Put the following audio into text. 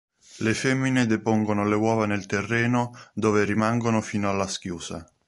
Le femmine depongono le uova nel terreno, dove rimangono fino alla schiusa.